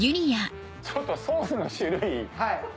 ちょっとソースの種類。